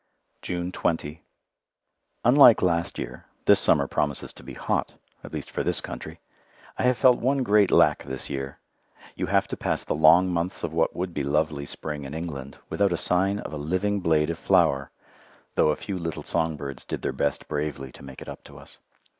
June 20 Unlike last year this summer promises to be hot, at least for this country. I have felt one great lack this year. You have to pass the long months of what would be lovely spring in England without a sign of a living blade of flower, though a few little songbirds did their best bravely to make it up to us.